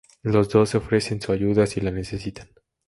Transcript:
Los dos se ofrecen su ayuda si la necesitan.